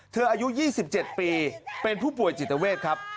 อายุ๒๗ปีเป็นผู้ป่วยจิตเวทครับ